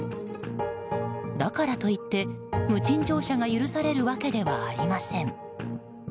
だからといって、無賃乗車が許される訳ではありません。